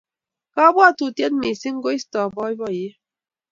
kapwatutaet missing koistoi poipoiyet